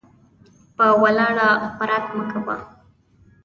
په ولاړه خوراک مه کوه .